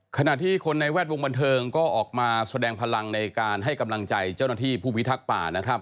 ขณะที่คนในแวดวงบันเทิงก็ออกมาแสดงพลังในการให้กำลังใจเจ้าหน้าที่ผู้พิทักษ์ป่านะครับ